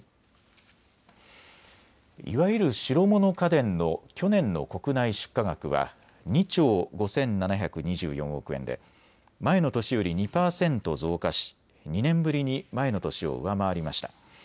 いわゆる白物家電の去年の国内出荷額は２兆５７２４億円で前の年より２％増加し２年ぶりに前の年を上回りました。